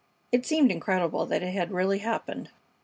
It seemed incredible that it had really happened!